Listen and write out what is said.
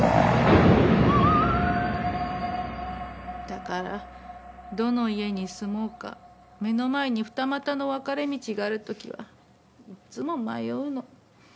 だからどの家に住もうか目の前に二股の分かれ道がある時はいつも迷うの。